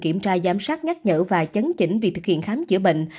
kiểm tra giám sát nhắc nhở và chấn chỉnh việc thực hiện khám chữa bệnh